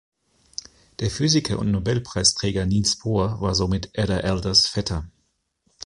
Der Physiker und Nobelpreisträger Niels Bohr war somit Ada Adlers Vetter.